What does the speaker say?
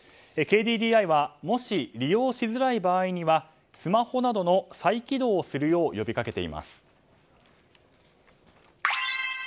ＫＤＤＩは、もし利用しづらい場合にはスマホなどを再起動をするよう呼びかけています。